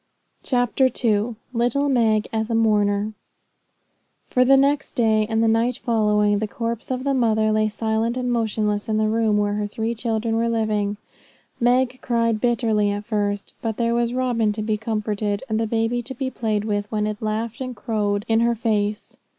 CHAPTER II Little Meg as a Mourner For the next day, and the night following, the corpse of the mother lay silent and motionless in the room where her three children were living. Meg cried bitterly at first; but there was Robin to be comforted, and the baby to be played with when it laughed and crowed in her face.